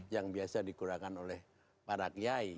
yang biasa digunakan oleh para kiai